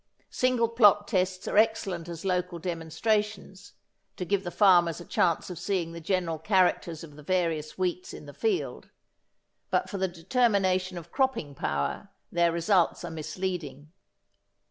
Single plots tests are excellent as local demonstrations, to give the farmers a chance of seeing the general characters of the various wheats in the field, but for the determination of cropping power their results are misleading.